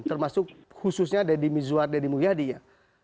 termasuk khususnya deddy mizwar deddy mulyadi ya